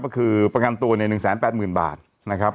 ก็คือประกันตัวใน๑๘๐๐๐บาทนะครับ